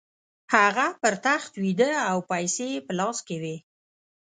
هغه پر تخت ویده او پیسې یې په لاس کې وې